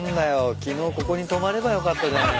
昨日ここに泊まればよかったじゃないよ。